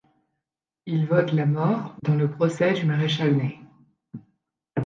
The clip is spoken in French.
Il vote la mort dans le procès du maréchal Ney.